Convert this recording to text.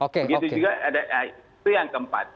begitu juga itu yang keempat